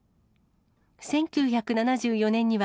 １９７４年には、